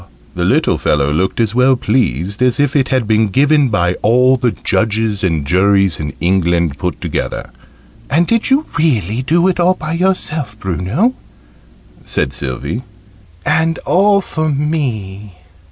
the little fellow looked as well pleased as if it had been given by all the judges and juries in England put together. "And did you really do it all by yourself, Bruno?" said Sylvie. "And all for me?"